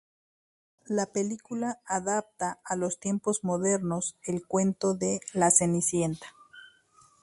La película adapta a los tiempos modernos el cuento de "La cenicienta".